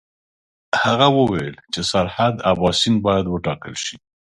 هغه وویل چې سرحد اباسین باید وټاکل شي.